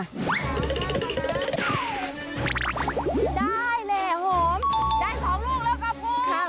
ได้แหละผมได้๒ลูกแล้วครับคุณ